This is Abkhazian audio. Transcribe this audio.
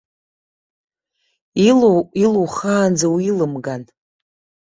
Илоу илухаанӡа уилымган.